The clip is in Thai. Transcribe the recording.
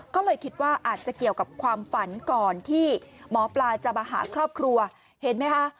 ก็เลยคิดว่าอาจจะเกี่ยวกับความฝันก่อนที่หมอปลาจะมาหาครอบครัวเห็นไหมคะ